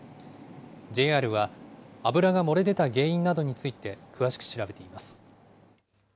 ＪＲは、油が漏れ出た原因などについて、詳しく調べています。